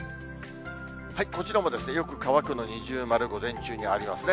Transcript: こちらもよく乾くの二重丸、午前中にありますね。